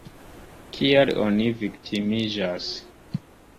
Kial oni viktimiĝas?